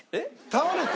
倒れて。